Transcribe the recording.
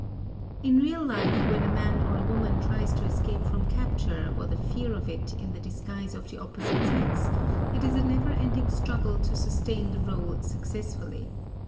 In real life, when a man or a woman tries to escape from capture or the fear of it in the guise of the opposite sex, it is a never ending struggle to sustain the rôle successfully.